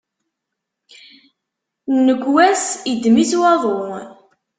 Nnekwa-s iddem-itt waḍu.